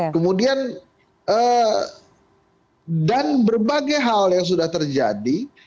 kemudian dan berbagai hal yang sudah terjadi